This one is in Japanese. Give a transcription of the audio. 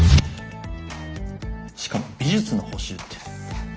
しかも美術の補習って。